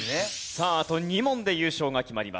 さああと２問で優勝が決まります。